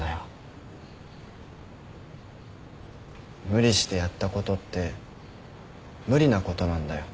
無理してやったことって無理なことなんだよ。